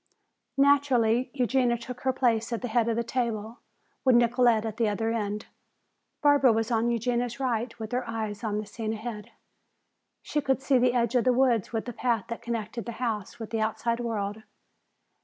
Naturally Eugenia took her place at the head of the table, with Nicolete at the other end. Barbara was on Eugenia's right, with her eyes on the scene ahead. She could see the edge of the woods with the path that connected the house with the outside world.